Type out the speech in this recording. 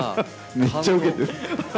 めっちゃ受けてる。